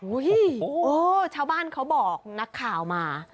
โอ้โหชาวบ้านเขาบอกนักข่าวมา